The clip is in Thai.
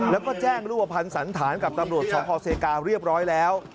แล้วก็แจ้งรูปภัณฑ์สันธารกับตำรวจสพเซกาเรียบร้อยแล้ว